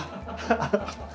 ハハハハッ。